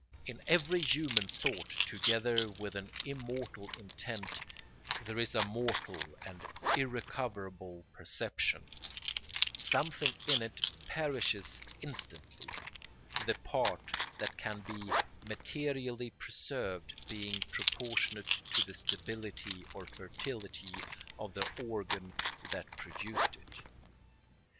In every human thought together with an immortal intent there is a mortal and irrecoverable perception: something in it perishes instantly, the part that can be materially preserved being proportionate to the stability or fertility of the organ that produced it.